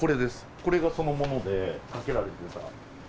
これがそのものでかけられてた。